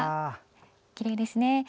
きれいですね。